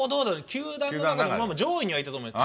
球団で上位にはいたと思います。